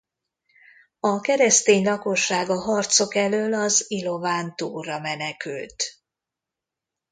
A keresztény lakosság a harcok elől az Ilován túlra menekült.